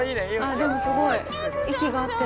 でもすごい息が合ってる。